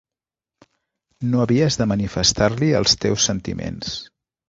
No havies de manifestar-li els teus sentiments.